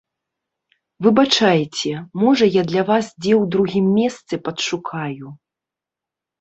Выбачайце, можа, я для вас дзе ў другім месцы падшукаю.